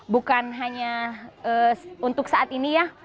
bukan hanya untuk saat ini ya